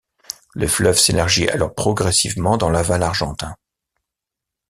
Le fleuve s'élargit alors progressivement dans l'aval argentin.